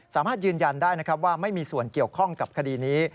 สามารถยืนยันได้นะครับว่าไม่มีส่วนเกี่ยวข้องกับคดีนี้